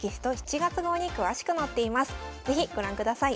是非ご覧ください。